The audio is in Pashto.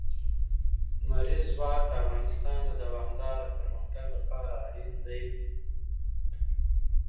لمریز ځواک د افغانستان د دوامداره پرمختګ لپاره اړین دي.